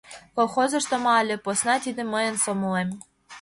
Колхозышто ма але посна — тиде мыйын сомылем.